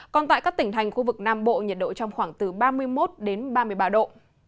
còn tại các tỉnh thành khu vực nam bộ nhiệt độ trong khoảng từ ba mươi một đến ba mươi ba độ